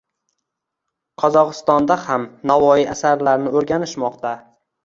Qozgʻogʻistonda ham Navoiy asarlarini oʻrganishmoqda.